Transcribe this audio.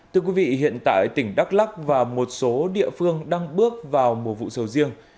thưa quý vị hiện tại tỉnh đắk lắc và một số địa phương đang bước vào mùa vụ sầu riêng